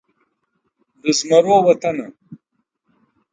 د زمرو وطنه